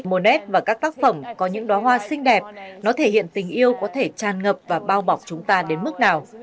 môn ép và các tác phẩm có những đoá hoa xinh đẹp nó thể hiện tình yêu có thể tràn ngập và bao bọc chúng ta đến mức nào